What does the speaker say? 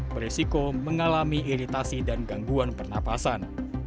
beresiko mengalami iritasi dan gangguan pernapasan